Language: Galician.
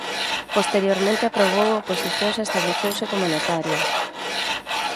Posteriormente aprobou oposicións e estableceuse como notario.